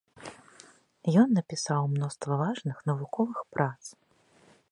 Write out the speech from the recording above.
Ён напісаў мноства важных навуковых прац.